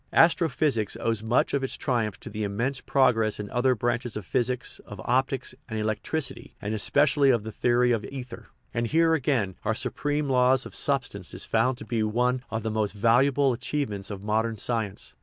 Astro physics owes much of its triumph to the immense prog ress of other branches of physics, of optics, and elec tricity, and especially of the theory of ether. And here, again, our supreme law of substance is found to be one of the most valuable achievements of modern science.